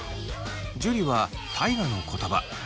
樹は大我の言葉。